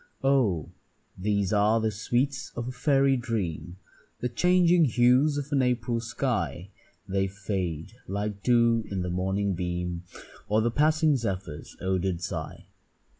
Oh! these are the sweets of a fairy dream, The changing hues of an April sky. They fade like dew in the morning beam, Or the passing zephyr's odour'd sigh.